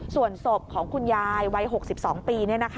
ส่วนศพของคุณยายวัย๖๒ปี